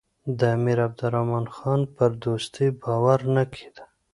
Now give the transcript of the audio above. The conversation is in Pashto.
د امیر عبدالرحمن خان پر دوستۍ باور نه کېده.